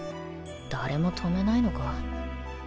誰も止めないのか